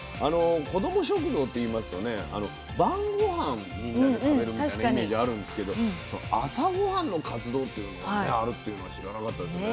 子ども食堂といいますとね晩ごはんみんなで食べるみたいなイメージあるんですけど朝ごはんの活動というのもあるっていうのは知らなかったですね。